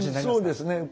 そうですね。